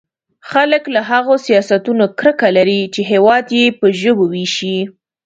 خلک له هغو سیاستونو کرکه لري چې هېواد يې په ژبو وېشي.